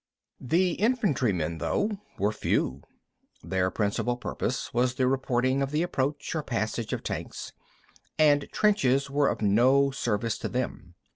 The infantrymen, though, were few. Their principal purpose was the reporting of the approach or passage of tanks, and trenches were of no service to them.